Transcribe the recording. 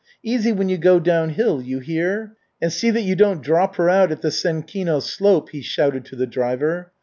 "Easy when you go downhill you hear? And see that you don't drop her out at the Senkino slope!" he shouted to the driver.